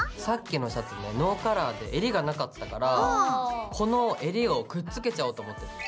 さっきのシャツねノーカラーでえりがなかったからこのえりをくっつけちゃおうと思ってて。